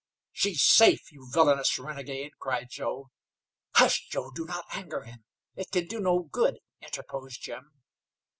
"She's safe, you villainous renegade!" cried Joe. "Hush, Joe! Do not anger him. It can do no good," interposed Jim.